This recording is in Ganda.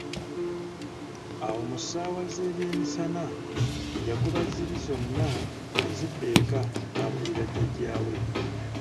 Awo mu ssaawa ze byemisana yagoba ziri zonna ne zidda eka nabuulira jajjaa we.